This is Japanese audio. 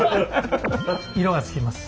色がつきます。